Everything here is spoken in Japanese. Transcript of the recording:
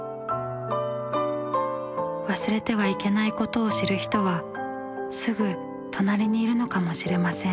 忘れてはいけないことを知る人はすぐ隣にいるのかもしれません。